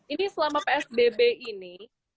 ini selama psbb ini